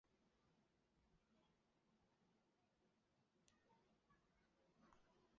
贝纳迪斯总统镇是巴西米纳斯吉拉斯州的一个市镇。